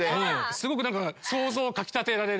すごく想像をかき立てられる。